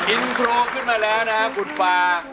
อินโทกขึ้นมาแล้วนะครับ